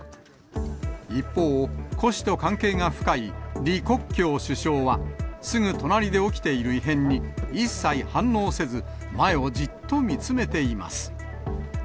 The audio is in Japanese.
一方、胡氏と関係が深い李克強首相は、すぐ隣で起きている異変に一切反応せず、前をじっと見つめています。